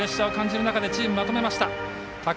プレッシャーを感じる中チームをまとめました。